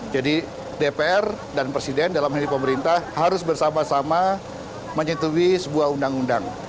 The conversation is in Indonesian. jadi ddpr dan presiden dalam hal ini pemerintah harus bersama sama mencintui sebuah undang undang